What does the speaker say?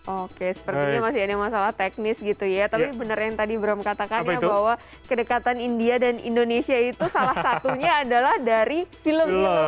oke sepertinya masih ada masalah teknis gitu ya tapi benar yang tadi bram katakan ya bahwa kedekatan india dan indonesia itu salah satunya adalah dari film itu